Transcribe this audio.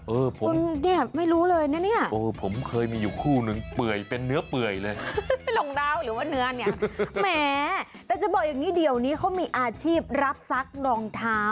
เออผมเออผมเคยมีอยู่คู่นึงเปื่อยเป็นเนื้อเปื่อยเลยแต่จะบอกอย่างนี้เดียวนี้เขามีอาชีพรับซักลองเท้า